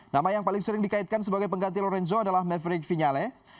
nama yang paling sering dikaitkan sebagai pengganti lorenzo adalah maverick vinales